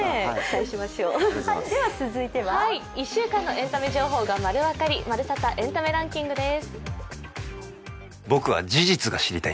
続いては１週間のエンタメが丸わかり「まるサタエンタメランキング」です。